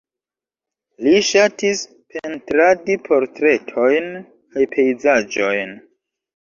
Li ŝatis pentradi portretojn kaj pejzaĝojn.